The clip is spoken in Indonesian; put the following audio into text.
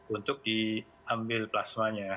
untuk diambil plasmanya